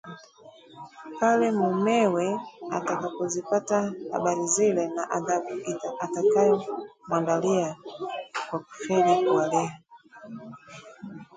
pale mumewe atakapozipata habari zile na adhabu atakayomwandalia kwa kufeli kuwalea